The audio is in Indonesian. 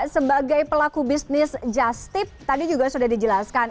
sebagai pelaku bisnis just tip tadi juga sudah dijelaskan